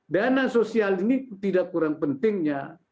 dana sosial ini tidak kurang pentingnya